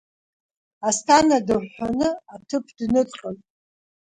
Асҭана дыҳәҳәаны аҭыԥ дныҵҟьоит…